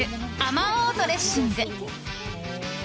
まおうドレッシング。